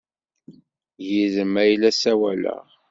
Yid-m ay la ssawaleɣ!